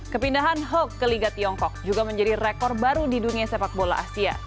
kepindahan hawk ke liga tiongkok juga menjadi rekor baru di dunia sepak bola asia